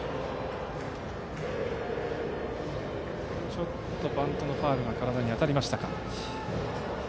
ちょっとバントのファウルが体に当たったか。